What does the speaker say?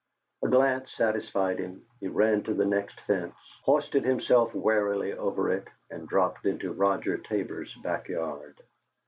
A glance satisfied him; he ran to the next fence, hoisted himself wearily over it, and dropped into Roger Tabor's back yard.